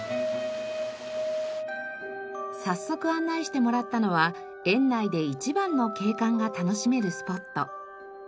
早速案内してもらったのは園内で一番の景観が楽しめるスポット。